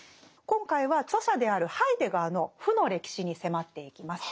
今回は著者であるハイデガーの負の歴史に迫っていきます。